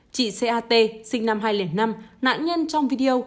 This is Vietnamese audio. chị c a t sinh năm hai nghìn năm nạn nhân trong video